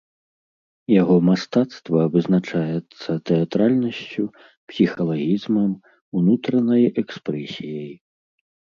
Яго мастацтва вызначаецца тэатральнасцю, псіхалагізмам, унутранай экспрэсіяй.